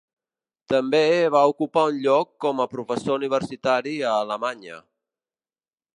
També va ocupar un lloc com a professor universitari a Alemanya.